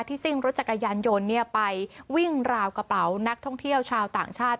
ซิ่งรถจักรยานยนต์ไปวิ่งราวกระเป๋านักท่องเที่ยวชาวต่างชาติ